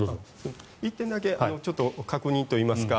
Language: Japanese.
１点だけ確認といいますか